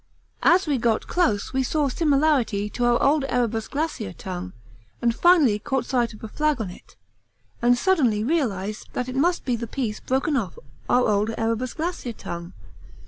As we got close we saw similarity to our old Erebus Glacier Tongue, and finally caught sight of a flag on it, and suddenly realised that it might be the piece broken off our old Erebus Glacier Tongue.